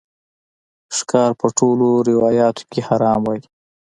ښکار په ټولو روایاتو کې حرام وای